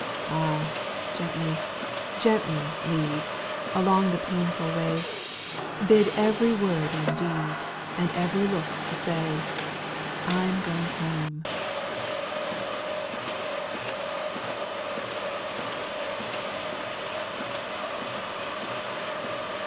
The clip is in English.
8. Ah I gently, gently lead, Along the painful way, Bid every word and deed, And every look to say, I 'm going home.